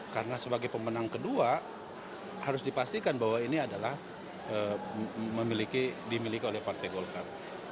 karena sebagai pemenang kedua harus dipastikan bahwa ini adalah dimiliki oleh partai golkar